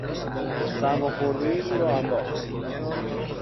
سرماخوردگی او را انداخت.